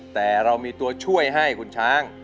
แต่เรามีตัวช่วยให้คุณช้าง